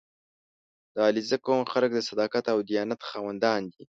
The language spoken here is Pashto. • د علیزي قوم خلک د صداقت او دیانت خاوندان دي.